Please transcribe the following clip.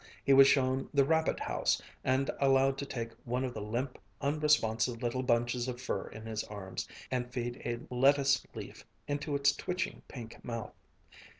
He was shown the rabbit house and allowed to take one of the limp, unresponsive little bunches of fur in his arms, and feed a lettuce leaf into its twitching pink mouth.